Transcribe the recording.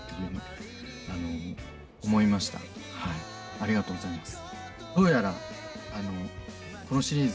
ありがとうございます。